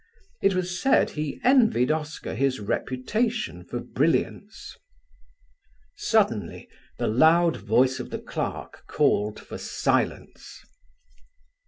It was said he envied Oscar his reputation for brilliance. Suddenly the loud voice of the clerk called for silence.